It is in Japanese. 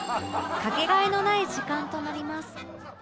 かけがえのない時間となります